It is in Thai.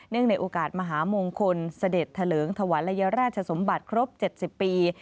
เนื่องในโอกาสมหาโมงคลสเด็จเถลิงธวรรยาราชสมบัติครบ๗๐ปี